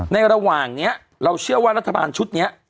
ระหว่างนี้เราเชื่อว่ารัฐบาลชุดนี้